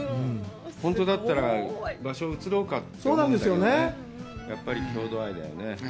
本当だったら、場所を移ろうかと思うんだけど、やっぱり、郷土愛だよね。